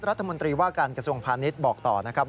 รัฐมนตรีว่าการกระทรวงพาณิชย์บอกต่อนะครับ